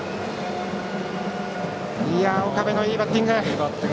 岡部のいいバッティング。